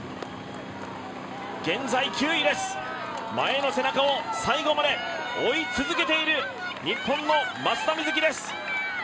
現在９位です、前の背中を最後まで追い続けている日本の松田瑞生です。